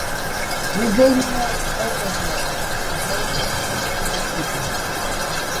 He then knelt over her and slowly choked her to death.